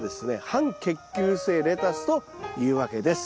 半結球性レタスというわけです。